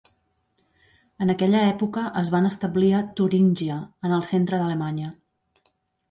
En aquella època es van establir a Turíngia, en el centre d'Alemanya.